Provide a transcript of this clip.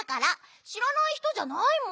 しらないひとじゃないもん。